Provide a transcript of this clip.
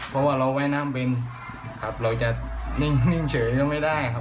เพราะว่าเราว่ายน้ำเป็นครับเราจะนิ่งเฉยก็ไม่ได้ครับ